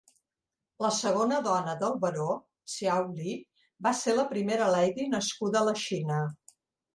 La segona dona del Baró, Hsiao Li, va ser la primera "lady" nascuda a la Xina.